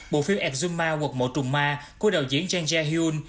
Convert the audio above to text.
bộ phim exuma quật mộ trung ma của đạo diễn jang jae hyun